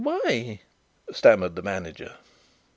"Why?" stammered the manager.